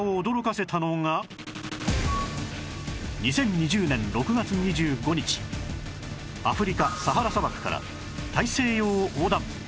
２０２０年６月２５日アフリカサハラ砂漠から大西洋を横断